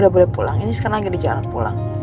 udah boleh pulang ini sekarang lagi di jalan pulang